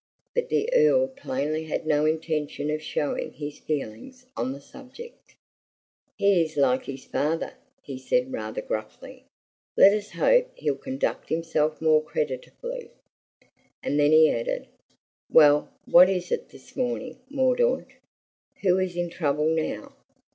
But the Earl plainly had no intention of showing his feelings on the subject. "He is like his father," he said rather gruffly. "Let us hope he'll conduct himself more creditably." And then he added: "Well, what is it this morning, Mordaunt? Who is in trouble now?"